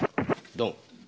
ドン。